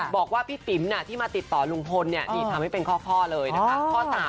บอกว่าพี่ปิ๋มที่มาติดต่อลุงพลนี่ทำให้เป็นข้อเลยนะคะ